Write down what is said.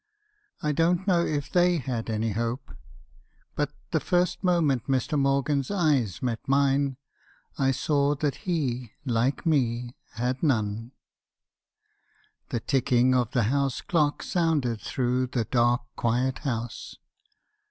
I don't know if they had any hope ; but the first moment Mr. Morgan's eyes met mine , I saw that he, like me, had none. The ticking of the house clock sounded through the dark quiet house.